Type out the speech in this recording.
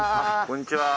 こんにちは。